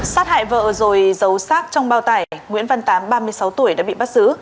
sát hại vợ rồi giấu sát trong bao tải nguyễn văn tám ba mươi sáu tuổi đã bị bắt giữ